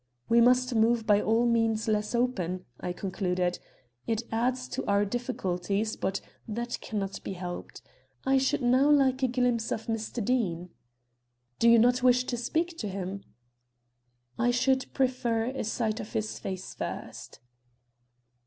"We must move by means less open," I concluded. "It adds to our difficulties, but that can not be helped. I should now like a glimpse of Mr. Deane." "Do you not wish to speak to him?" "I should prefer a sight of his face first."